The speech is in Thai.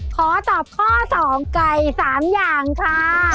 ขอตอบข้อสอบไก่สามอย่างค่ะ